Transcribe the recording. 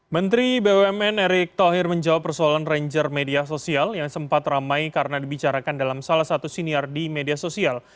menteri bumn erick thohir menjawab persoalan ranger media sosial yang sempat ramai karena dibicarakan dalam salah satu senior di media sosial